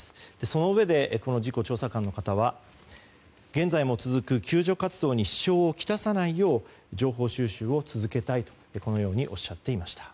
そのうえでこの事故調査官の方は現在も続く救助活動に支障をきたさないよう情報収集を続けたいとおっしゃっていました。